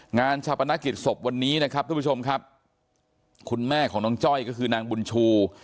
งานชาปนกิจศพวันนี้นะครับทุกผู้ชมครับคุณแม่ของน้องจ้อยก็คือนางบุญชู